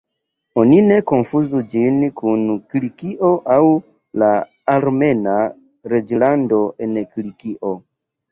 Oni ne konfuzu ĝin kun Kilikio aŭ la Armena reĝlando en Kilikio.